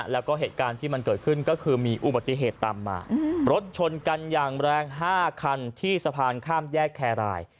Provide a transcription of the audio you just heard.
แล้วก็เหตุการณ์ที่มันเกิดขึ้นก็คือมีอุบัติเหตุตามมารถชนกันอย่างแรง๕คันที่สะพานข้ามแยกแครราย